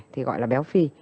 thì gọi là béo phi